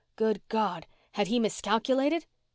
Good God! Had he miscalculated?